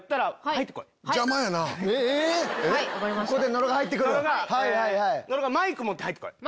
野呂がマイク持って入って来い。